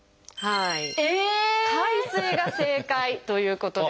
「海水」が正解ということで。